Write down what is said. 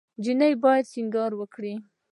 انجلۍ باید سینګار وکړي.